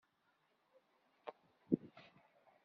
D taqbaylit i d idles-iw.